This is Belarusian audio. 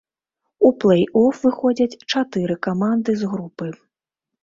У плэй-оф выходзяць чатыры каманды з групы.